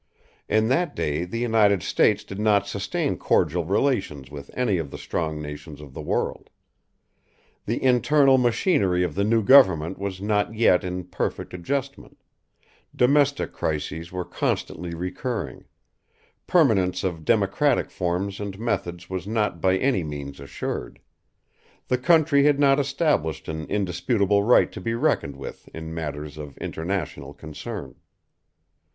In that day the United States did not sustain cordial relations with any of the strong nations of the world. The internal machinery of the new government was not yet in perfect adjustment; domestic crises were constantly recurring; permanence of democratic forms and methods was not by any means assured; the country had not established an indisputable right to be reckoned with in matters of international concern.